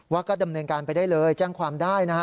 ว่าก็ดำเนินการไปได้เลยแจ้งความได้นะฮะ